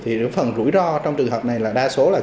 thì phần rủi ro trong trường hợp này là đa số là